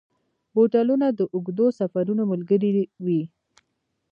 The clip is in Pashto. بوټونه د اوږدو سفرونو ملګري وي.